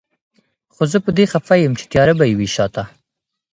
خو زه په دې خفه يم چي تياره به يې وي شاته